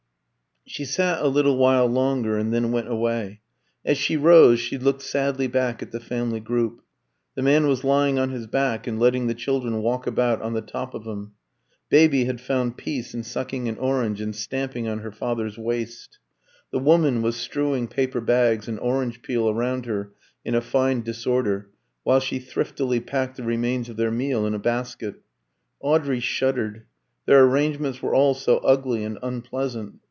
She sat a little while longer, and then went away. As she rose she looked sadly back at the family group. The man was lying on his back and letting the children walk about on the top of him. Baby had found peace in sucking an orange and stamping on her father's waist. The woman was strewing paper bags and orange peel around her in a fine disorder, while she thriftily packed the remains of their meal in a basket. Audrey shuddered; their arrangements were all so ugly and unpleasant.